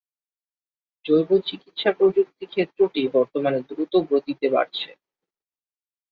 জৈব চিকিৎসা প্রযুক্তি ক্ষেত্রটি বর্তমানে দ্রুত গতিতে বাড়ছে।